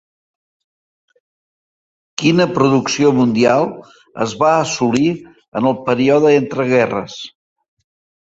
Quina producció mundial es va assolir en el període entre guerres?